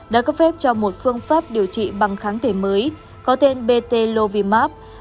đã cấp phép cho một phương pháp điều trị bằng kháng thể mới có tên bt lovimab